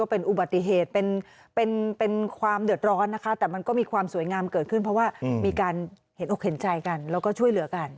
เพื่อเป็นการตอบแทนเล็กน้อย